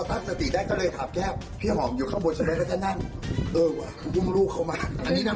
สวดมันเป็นภาษาอะไรอ่ะ